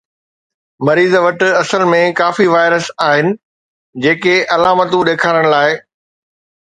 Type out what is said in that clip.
مريض وٽ اصل ۾ ڪافي وائرس آهن جيڪي علامتون ڏيکارڻ لاءِ